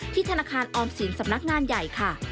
ธนาคารออมสินสำนักงานใหญ่ค่ะ